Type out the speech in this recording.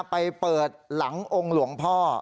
ไปเปิดหลังองค์หลวงพ่อ